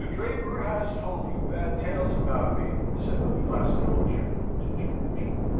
Draper has told you bad tales about me," said the placid old gentleman to George.